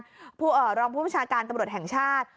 รองคือผู้มิชาการตำรวจแห่งชาติ